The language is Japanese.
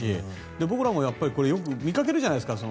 僕らもよく見かけるじゃないですか。